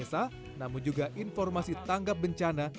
proses pelayanan desa namun juga informasi tanggap bencana